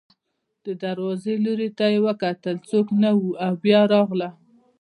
د دروازې لوري ته یې وکتل، څوک نه و او بیا راغله.